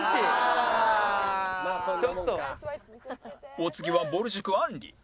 お次はぼる塾あんり